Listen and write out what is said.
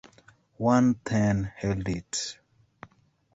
One thegn held it.